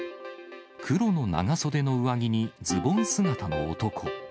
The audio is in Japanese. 黒の長袖の上着にズボン姿の男。